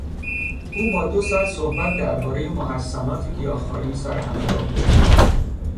او با دو ساعت صحبت دربارهی محسنات گیاهخواری سر همه را برد.